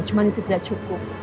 cuma itu tidak cukup